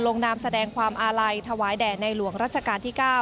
นามแสดงความอาลัยถวายแด่ในหลวงรัชกาลที่๙